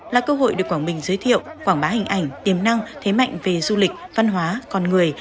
là cơ hội để quảng bình giới thiệu quảng bá hình ảnh tiềm năng thế mạnh về du lịch văn hóa con người